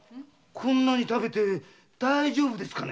こんなに食べて大丈夫ですかね？